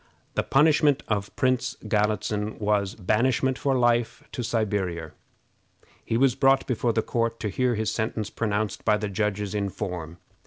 The punishment of Prince Galitzin was banishment for life to Siberia. He was brought before the court to hear his sentence pronounced by the judges in form.